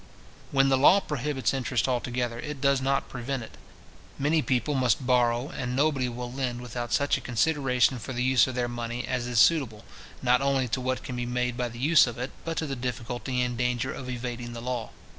When the law prohibits interest altogether, it does not prevent it. Many people must borrow, and nobody will lend without such a consideration for the use of their money as is suitable, not only to what can be made by the use of it, but to the difficulty and danger of evading the law.